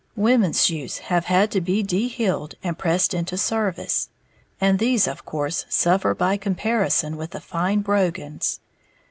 Women's shoes have had to be de heeled and pressed into service; and these of course suffer by comparison with the fine brogans.